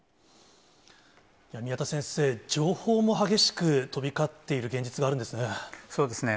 宮田先生、情報も激しく飛び交っている現実があるんですね。